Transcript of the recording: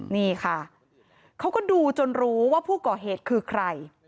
นี่ค่ะเขาก็ดูจนรู้ว่าผู้ก่อเหตุคือใคร